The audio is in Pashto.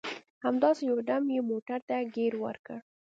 همداسې یو دم یې موټر ته ګیر ورکړ.